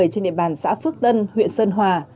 trên địa bàn xã phước tân huyện sơn hòa